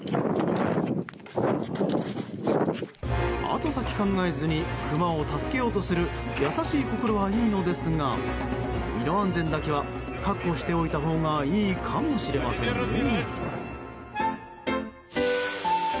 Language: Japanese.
後先考えずにクマを助けようとする優しい心はいいのですが身の安全だけは確保しておいたほうがいいかもしれませんね。